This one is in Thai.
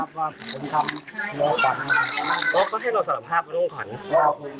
ผู้สปัดการรอพอภาพ